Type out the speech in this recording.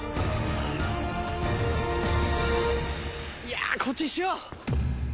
いやこっちにしよう。